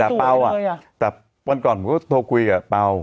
ดาร์เปัลล์ว่ะแต่วันก่อนผมก็โทรคุยกับเป้า